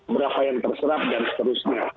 berapa yang terserap dan seterusnya